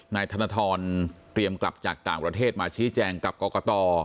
นายธนทรเตรียมกลับจากต่างประเทศมาชี้แจงกับกรกต